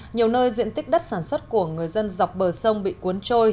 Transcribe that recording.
nhiều nơi diện tích đất sản xuất của người dân dọc bờ sông bị cuốn trôi